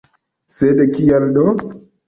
Sed kial do?